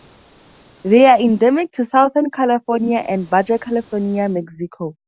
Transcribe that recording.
They are endemic to southern California and Baja California, Mexico.